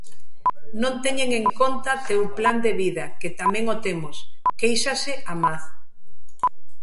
Non teñen en conta teu plan de vida, que tamén o temos, quéixase Ahmad.